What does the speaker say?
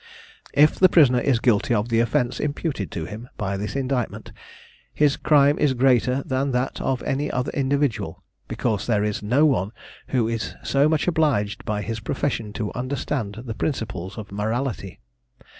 If the prisoner is guilty of the offence imputed to him by this indictment, his crime is greater than that of any other individual, because there is no one who is so much obliged by his profession to understand the principles of morality.